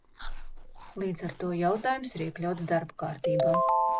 Līdz ar to jautājums ir iekļauts darba kārtībā.